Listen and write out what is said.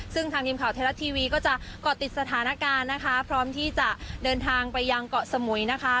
ซึ่งทางทีมข่าวไทยรัฐทีวีก็จะเกาะติดสถานการณ์นะคะพร้อมที่จะเดินทางไปยังเกาะสมุยนะคะ